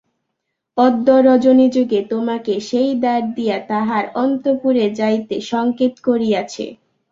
অদ্য রজনীযোগে তোমাকে সেই দ্বার দিয়া তাহার অন্তঃপুরে যাইতে সঙ্কেত করিয়াছে।